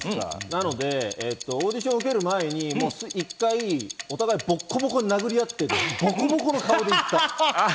なのでオーディションを受ける前に一回お互いボッコボコに殴り合ってボコボコの顔で行った。